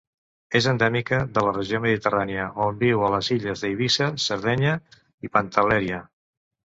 És endèmica de la regió mediterrània, on viu a les illes d'Eivissa, Sardenya i Pantel·leria.